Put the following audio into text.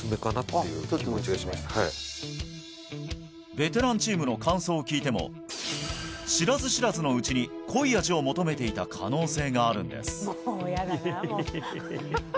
ベテランチームの感想を聞いても知らず知らずのうちに濃い味を求めていた可能性があるんです